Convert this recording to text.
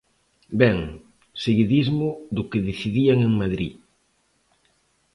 Ben, seguidismo do que decidían en Madrid.